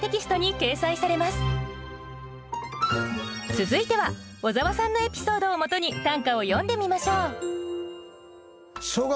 続いては小沢さんのエピソードをもとに短歌を詠んでみましょう。